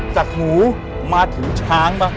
สักหมูมาถือช้างป่ะ